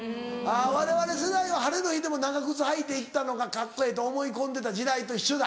われわれ世代は晴れの日でも長靴履いて行ったのがカッコええと思い込んでた時代と一緒だ。